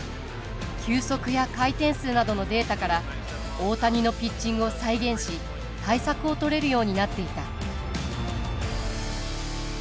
球速や回転数などのデータから大谷のピッチングを再現し対策を取れるようになっていた。